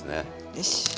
よし。